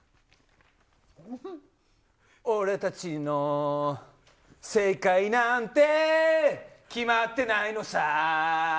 俺たちの正解なんて、決まってないのさ。